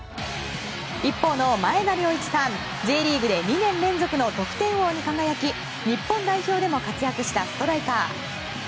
一方の前田遼一さんＪリーグで２年連続の得点王に輝き日本代表でも活躍したストライカー。